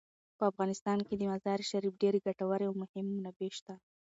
په افغانستان کې د مزارشریف ډیرې ګټورې او مهمې منابع شته.